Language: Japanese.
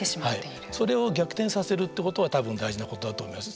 それを逆転させるってことは多分大事なことだと思います。